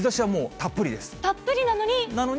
たっぷりなのに。